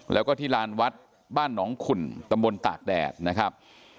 แล้วก็ที่ลานวัดบ้านหนองขุ่นตำบลตากแดดนะครับ